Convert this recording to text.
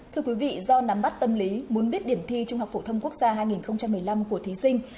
thưa quý vị do nắm bắt tâm lý muốn biết điểm thi trung học phổ thông quốc gia hai nghìn một mươi năm của thí sinh